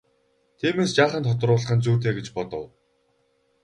Тиймээс жаахан тодруулах нь зүйтэй гэж бодов.